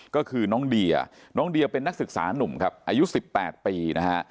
ก็คือน้องเดียน้องเดียเป็นนักศึกษานุ่มครับอายุ๑๘ปีนะฮะ